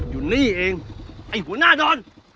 อยู่นี่เองไอ้หัวหน้าดอน